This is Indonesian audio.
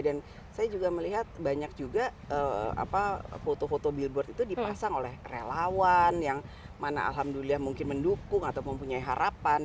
dan saya juga melihat banyak juga foto foto billboard itu dipasang oleh relawan yang mana alhamdulillah mungkin mendukung atau mempunyai harapan